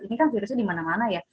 ini kan virusnya di mana mana ya